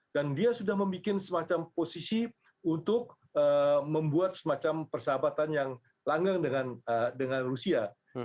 dan dia sudah membuat semacam posisi untuk membuat semacam persahabatan yang langgang dengan rusia